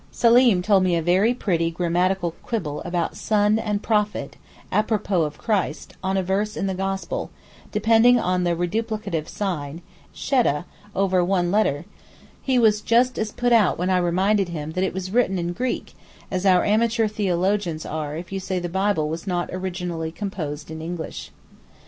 Seleem told me a very pretty grammatical quibble about 'son' and 'prophet' (apropos of Christ) on a verse in the Gospel, depending on the reduplicative sign [Arabic sign for sheddeh] (sheddeh) over one letter; he was just as put out when I reminded him that it was written in Greek, as our amateur theologians are if you say the Bible was not originally composed in English.